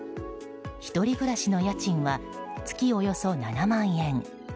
１人暮らしの家賃は月およそ７万円。